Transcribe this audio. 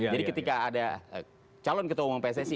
jadi ketika ada calon ketua umum pssi